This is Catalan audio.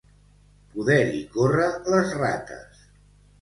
Poder-hi córrer les rates.